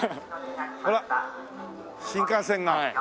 ほら新幹線が。